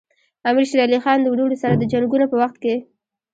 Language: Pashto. امیر شېر علي خان د وروڼو سره د جنګونو په وخت کې.